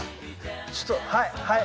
ちょっとはいはい！